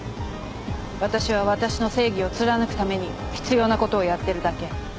私は私の正義を貫くために必要なことをやってるだけ。